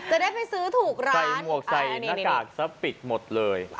จะได้ไปซื้อถูกร้านใส่หน้ากากซับปิกหมดเลย